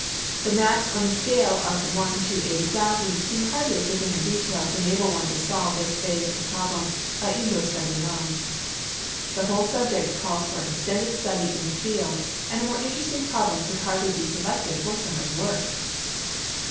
The maps on the scale of 1 : 80.000 seem hardly of suHicient detail to enable one to solve this j)hase of the problem by indoor study alone. The whole subject calls for extended study in the field, and a more interesting problem could hardly l)e selected for a summer's work.